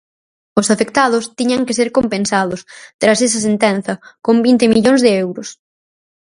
Os afectados tiñan que ser compensados, tras esa sentenza, con vinte millóns de euros.